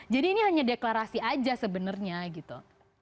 jadi ini hanya deklarasi aja sebenarnya gitu